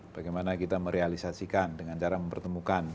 bagaimana kita merealisasikan dengan cara mempertemukan